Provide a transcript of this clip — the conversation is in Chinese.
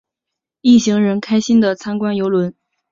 一行人开心的参观邮轮。